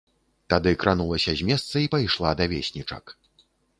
Тады кранулася з месца і пайшла да веснічак.